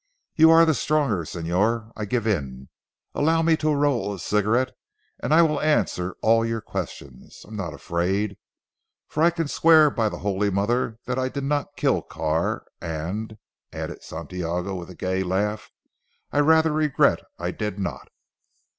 "You are the stronger Señor. I give in. Allow me to roll a cigarette, and I will answer all your questions. I am not afraid, for I can swear by the Holy Mother that I did not kill Carr and " added Santiago with a gay laugh, "I rather regret I did not."